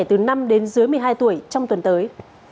từ năm đến dưới một mươi hai tuổi trong tuần tới